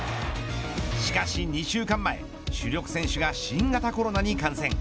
しかし２週間前主力選手が新型コロナに感染。